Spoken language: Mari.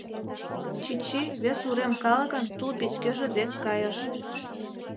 Чӱчӱ вес урем калыкын тул печкеже дек кайыш.